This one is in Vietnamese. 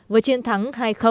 với chiến thắng hai